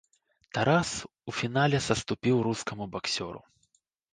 Тарас у фінале саступіў рускаму баксёру.